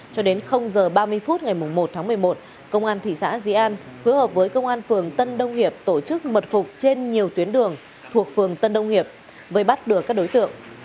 cho đến h ba mươi phút ngày một tháng một mươi một công an thị xã di an hứa hợp với công an phường tân đông hiệp tổ chức mật phục trên nhiều tuyến đường thuộc phường tân đông hiệp với bắt được các đối tượng